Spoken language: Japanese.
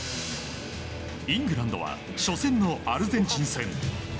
イングランドは初戦のアルゼンチン戦。